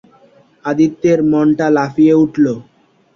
আদিত্যের মনটা লাফিয়ে উঠল।